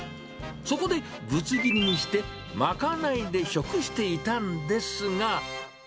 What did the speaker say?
そこで、ぶつ切りにして賄いで食していたんですが。